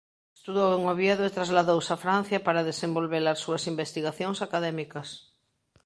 Estudou en Oviedo e trasladouse a Francia para desenvolver as súas investigacións académicas.